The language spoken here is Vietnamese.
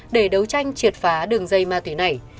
để đấu tranh triệt phá đường dây ma túy này